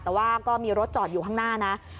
แต่ว่าก็มีรถจอดอยู่ข้างหน้านะ